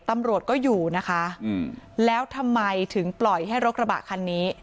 ตำรวจก็อยู่นะคะแล้วทำไมถึงปล่อยให้รถกระบะคันนี้